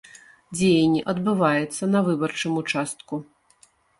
Дзеянне адбываецца на выбарчым участку.